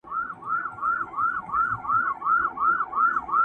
پوليس کار پای ته رسوي او ورو ورو وځي